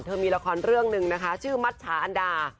มีละครเรื่องหนึ่งนะคะชื่อมัชชาอันดา